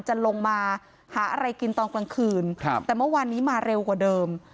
จะลงมาหาอะไรกินตอนกลางคืนครับแต่เมื่อวานนี้มาเร็วกว่าเดิม